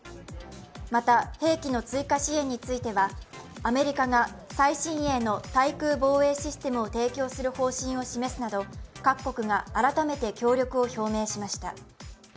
また、兵器の追加支援についてはアメリカが最新鋭の滞空防衛システムを提供する方針を示すなど各国が改めて協力を表明しました。